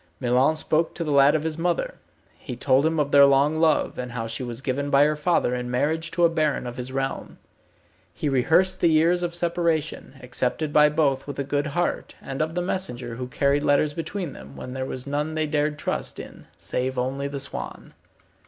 Milon spoke to the lad of his mother. He told him of their long love, and how she was given by her father in marriage to a baron of his realm. He rehearsed the years of separation, accepted by both with a good heart, and of the messenger who carried letters between them, when there was none they dared to trust in, save only the swan.